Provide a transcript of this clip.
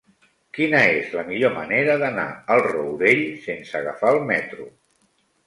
Quina és la millor manera d'anar al Rourell sense agafar el metro?